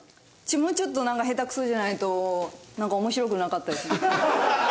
もうちょっと下手くそじゃないとなんか面白くなかったですね。